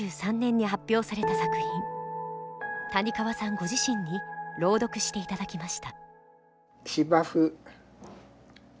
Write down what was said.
ご自身に朗読して頂きました。